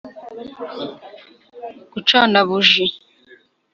gucana buji,